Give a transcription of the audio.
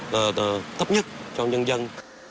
và tập nhất cho nhân dân